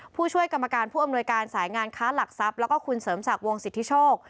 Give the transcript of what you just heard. ผู้ช่วยกรรมการผู้อำนวยการสายงานค้าหลักทรัพย์แล้วก็คุณเสริมศักดิ์วงสิทธิโชค